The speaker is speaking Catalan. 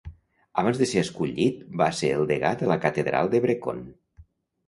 Abans de ser escollit, va ser el degà de la catedral de Brecon.